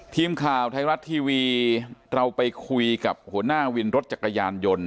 ทีมข่าวไทยรัฐทีวีเราไปคุยกับหัวหน้าวินรถจักรยานยนต์